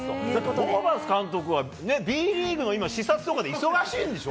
ホーバス監督はＢリーグの視察とかで忙しいんでしょ？